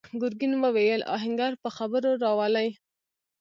ګرګين وويل: آهنګر په خبرو راولئ!